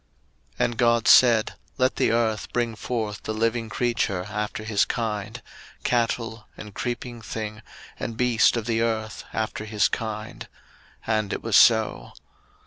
01:001:024 And God said, Let the earth bring forth the living creature after his kind, cattle, and creeping thing, and beast of the earth after his kind: and it was so.